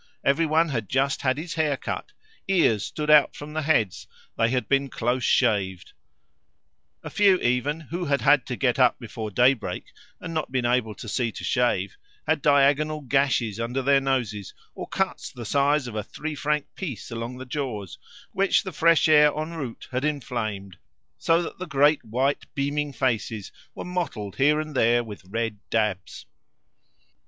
Everyone had just had his hair cut; ears stood out from the heads; they had been close shaved; a few, even, who had had to get up before daybreak, and not been able to see to shave, had diagonal gashes under their noses or cuts the size of a three franc piece along the jaws, which the fresh air en route had enflamed, so that the great white beaming faces were mottled here and there with red dabs.